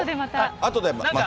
あとでまた。